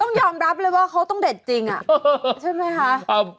ต้องยอมรับเลยว่าเขาต้องเด็ดจริงใช่ไหมคะ